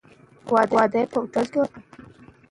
بازارونه د توکو قیمت ټاکي.